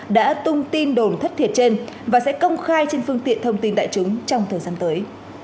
đã tung tin đồn thất thiệt trên và sẽ công khai trên phương tiện thông tin đại chúng trong thời gian tới